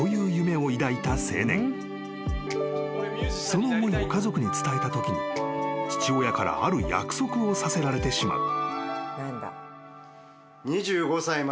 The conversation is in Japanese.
［その思いを家族に伝えたときに父親からある約束をさせられてしまう］